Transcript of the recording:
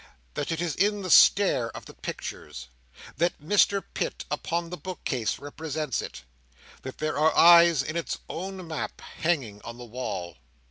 That it is in the stare of the pictures. That Mr Pitt, upon the bookcase, represents it. That there are eyes in its own map, hanging on the wall.